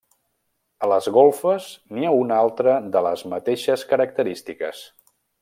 A les golfes n'hi ha una altra de les mateixes característiques.